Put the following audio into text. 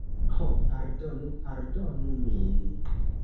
Ho, pardonu, pardonu min!